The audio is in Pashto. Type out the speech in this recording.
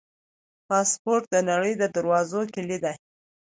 پاسپورټ د نړۍ د دروازو کلي ده.